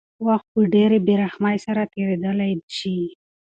وخت په ډېرې بېرحمۍ سره تېرېدلی شي.